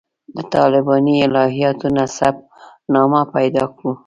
د طالباني الهیاتو نسب نامه پیدا کړو.